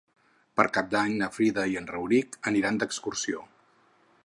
Per Cap d'Any na Frida i en Rauric aniran d'excursió.